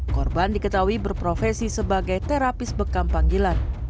korban diketahui berprofesi sebagai terapis bekam panggilan